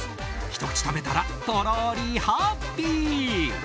ひと口食べたらとろーり、ハッピー！